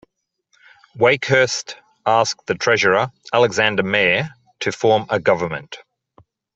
Wakehurst asked the Treasurer, Alexander Mair, to form a government.